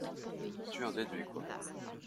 Tu en déduis quoi?